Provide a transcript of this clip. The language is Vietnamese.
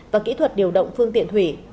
và kỹ thuật điều động phương tiện thủy